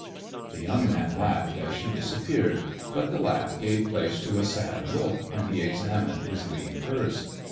The young man laughed as she disappeared, but the laugh gave place to a sad look when he examined his lean purse.